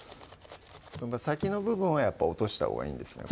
先の部分は落としたほうがいいんですね